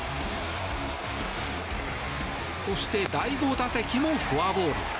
そして第５打席もフォアボール。